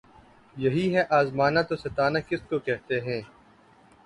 یہی ہے آزمانا‘ تو ستانا کس کو کہتے ہیں!